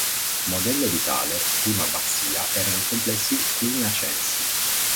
Modello di tale prima abbazia erano i complessi cluniacensi.